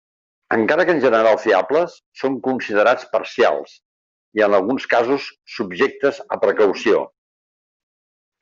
Encara que en general fiables, són considerats parcials, i en alguns casos subjectes a precaució.